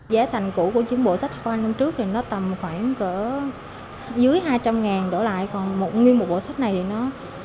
giá thành cũ của những bộ sách giáo khoa năm trước thì nó tầm khoảng cỡ dưới hai trăm linh đổ lại còn nguyên một bộ sách này thì nó ba trăm hai mươi bốn